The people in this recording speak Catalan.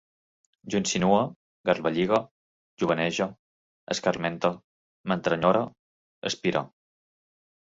Jo insinue, garballigue, jovenege, escarmente, m'entrenyore, espire